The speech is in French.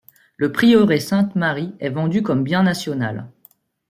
Le prieuré Sainte-Marie est vendu comme bien national.